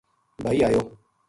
بھائی آیو